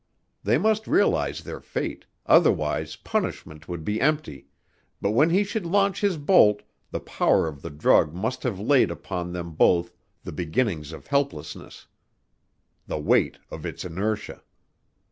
They must realize their fate, otherwise punishment would be empty, but when he should launch his bolt, the power of the drug must have laid upon them both the beginnings of helplessness: the weight of its inertia.